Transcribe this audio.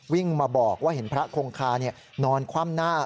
วิ่งมาบอกว่าเห็นพระคงคานอนคว่ำหน้า